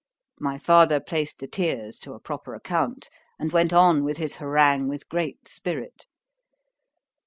—My father placed the tears to a proper account, and went on with his harangue with great spirit.